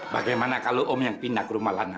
bagaimana kalau om yang pindah ke rumah lana